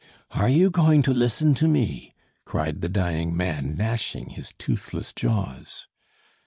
"Are you going to listen to me?" cried the dying man, gnashing his toothless jaws.